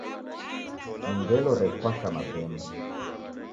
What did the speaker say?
Ni ngelo rekwasha mabemba